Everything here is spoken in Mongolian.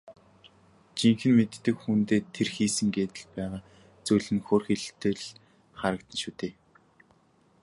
Жинхэнэ мэддэг хүндээ тэр хийсэн гээд байгаа зүйл нь хөөрхийлөлтэй л харагдана шүү дээ.